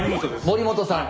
森本さん。